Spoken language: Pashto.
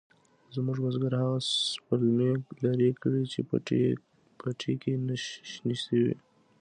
زموږ بزگر هغه سپلمۍ لرې کړې چې پټي کې شنې شوې وې.